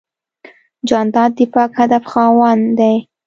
جانداد د پاک هدف خاوند دی.